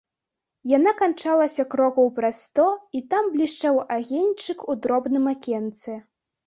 Яна канчалася крокаў праз сто, і там блішчаў агеньчык у дробным акенцы.